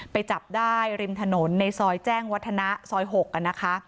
ไปจับได้ริมถนนในซอยแจ้งวัฒนะซอย๖นะคะ